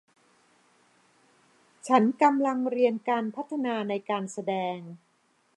ฉันกำลังเรียนการพัฒนาในการแสดง